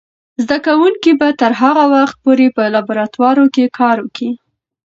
زده کوونکې به تر هغه وخته پورې په لابراتوار کې کار کوي.